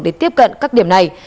để tiếp cận các điểm này